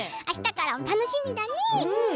あしたから楽しみだね。